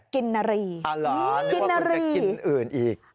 นารีอ่าเหรอนึกว่าคุณจะกินอื่นอีก